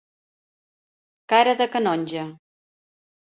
Cara de canonge.